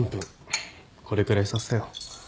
これくらいさせてよ。